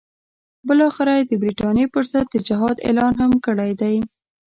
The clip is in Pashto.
بالاخره یې د برټانیې پر ضد د جهاد اعلان هم کړی دی.